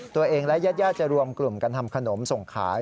ตัวเองและญาติจะรวมกลุ่มกันทำขนมส่งขาย